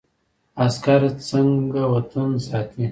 عسکر څنګه وطن ساتي؟